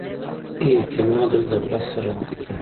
اعتمادالدوله سره وکتل.